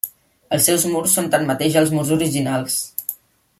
Els seus murs són tanmateix els murs originals.